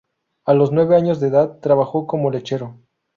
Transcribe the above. A los nueve años de edad, trabajó como lechero.